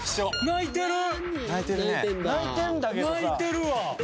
泣いてるわ！